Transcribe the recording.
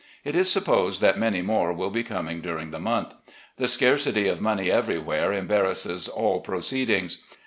It is supposed that many more will be coming during the month. The scarcity of money everywhere embar rasses all proceedings.